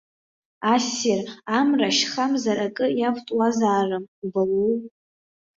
Ассир, амра шьхамзар акы иавҵуазаарым убауоу!